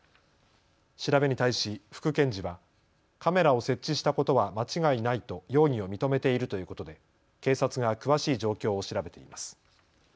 調べに対し副検事はカメラを設置したことは間違いないと容疑を認めているということで警察が詳しい状況を調べています。